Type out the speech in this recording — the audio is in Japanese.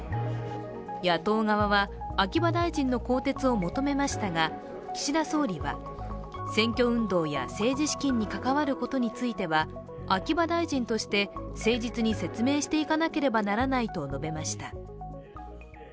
野党側は秋葉大臣の更迭を求めましたが岸田総理は、選挙運動や政治資金に関わることについては秋葉大臣として誠実に説明していかなければならないと述べました。